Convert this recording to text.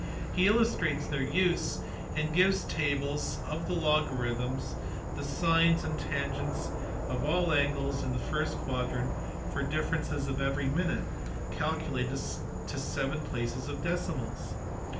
He illustrates their use, and gives tables of the logarithms of the sines and tangents of all angles in the first quadrant, for differ ences of every minute, calculated to seven places of decimals.